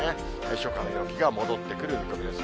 初夏の陽気が戻ってくる見込みです。